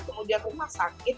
kemudian rumah sakit